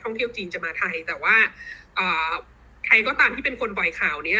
เที่ยวจีนจะมาไทยแต่ว่าใครก็ตามที่เป็นคนปล่อยข่าวนี้